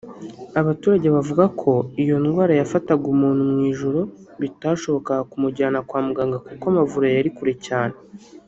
abaturage bavuga ko iyo indwara yafataga umuntu mu ijoro bitashobokaga kumujyana kwa muganga kuko amavuriro yari kure cyane